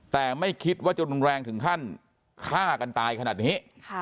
แต่ไม่คิดว่าจะรุนแรงถึงขั้นฆ่ากันตายขนาดนี้